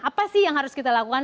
apa sih yang harus kita lakukan